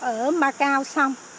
ở macau xong